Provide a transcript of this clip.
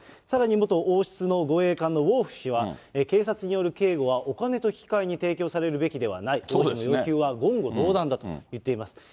さらに元王室の護衛官のウォーフ氏は、警察による警護はお金と引き換えに提供されるべきではない。王子の要求は言語道断だと言っています。